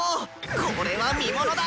これは見モノだ！